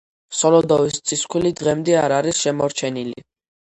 სოლოდოვის წისქვილი დღემდე არ არის შემორჩენილი.